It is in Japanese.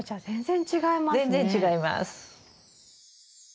全然違います。